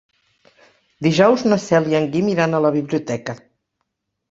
Dijous na Cel i en Guim iran a la biblioteca.